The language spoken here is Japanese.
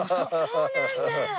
そうなんだ。